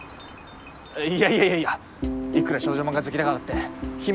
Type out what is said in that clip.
いやいやいやいやいくら少女漫画好きだからって姫